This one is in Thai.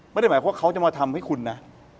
ไม่ได้หมายความว่าเขาจะมาทำให้คุณนะ